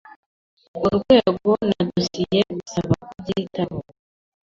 urwego na dosiye, bisaba kubyitaho